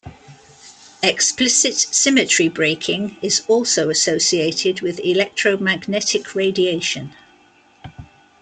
Explicit symmetry breaking is also associated with electromagnetic radiation.